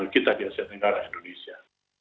kita di asia tenggara indonesia